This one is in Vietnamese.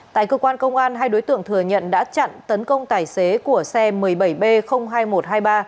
tại cơ quan công an hai đối tượng thừa nhận đã chặn tấn công tài xế của xe một mươi bảy b hai nghìn một trăm hai mươi ba